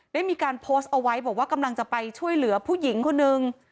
ได้มีการโพสต์เอาไว้บอกว่ากำลังจะไปช่วยเหลือผู้หญิงคนนึง